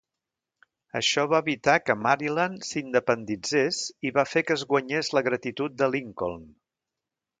Això va evitar que Maryland s'independitzés i va fer que es guanyés la gratitud de Lincoln.